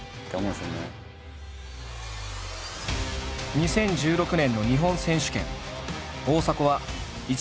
２０１６年の日本選手権。